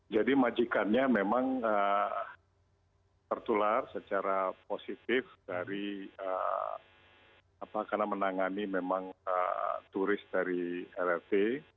jadi majikannya memang tertular secara positif karena menangani memang turis dari lrt